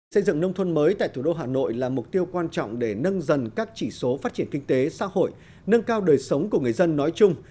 xây dựng nông thôn mới tại thủ đô hà nội là mục tiêu quan trọng để nâng dần các chỉ số phát triển kinh tế xã hội nâng cao đời sống của người dân nói chung